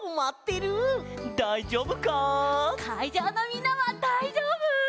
だいじょうぶか？かいじょうのみんなはだいじょうぶ？